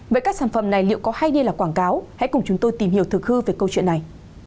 vậy các sản phẩm này liệu có hay đi là quảng cáo hãy cùng chúng tôi tìm hiểu thực hư về câu chuyện này